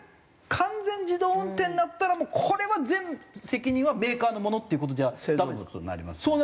完全自動運転になったらもうこれは全責任はメーカーのものっていう事ではダメですか？